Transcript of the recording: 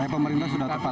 pemerintah sudah tepat